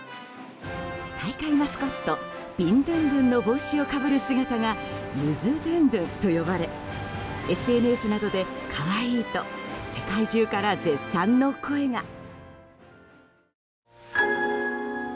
大会マスコットビンドゥンドゥンの帽子をかぶる姿がゆづドゥンドゥンと呼ばれＳＮＳなどで可愛いと世界中から絶賛の声が。